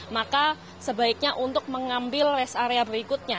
maka sebaiknya untuk mengambil rest area berikutnya